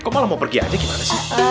kok malah mau pergi aja gimana sih